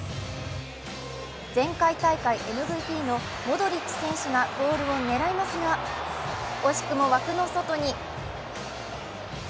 前回大会ＭＶＰのモドリッチ選手がゴールを狙いますが惜しくも枠の外に。